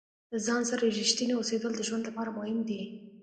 د ځان سره ریښتیني اوسیدل د ژوند لپاره مهم دي.